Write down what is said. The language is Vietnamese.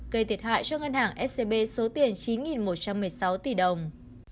gây thiệt hại cho ngân hàng scb số tiền chín một trăm một mươi sáu tỷ đồng